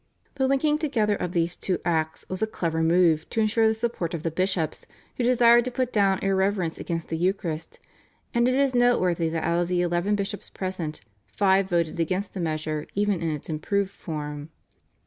The linking together of these two Acts was a clever move to ensure the support of the bishops who desired to put down irreverence against the Eucharist, and it is noteworthy that out of the eleven bishops present five voted against the measure even in its improved form.